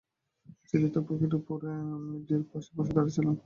চিঠিটা পকেটে পুরে আমিও ডি-এর পাশে এসে দাঁড়িয়েছিলাম।